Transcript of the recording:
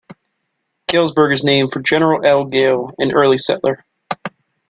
Galesburg is named for General L. Gale, an early settler.